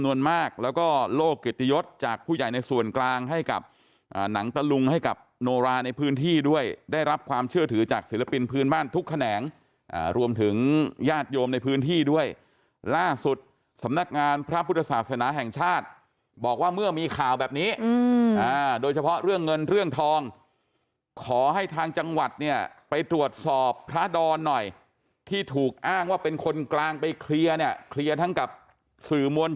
ในพื้นที่ด้วยได้รับความเชื่อถือจากศิลปินพื้นบ้านทุกแขนงรวมถึงญาติโยมในพื้นที่ด้วยล่าสุดสำนักงานพระพุทธศาสนาแห่งชาติบอกว่าเมื่อมีข่าวแบบนี้โดยเฉพาะเรื่องเงินเรื่องทองขอให้ทางจังหวัดเนี่ยไปตรวจสอบพระดอนหน่อยที่ถูกอ้างว่าเป็นคนกลางไปเคลียร์เนี่ยเคลียร์ทั้งกับส